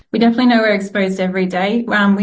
kita pasti tahu kita terbuka setiap hari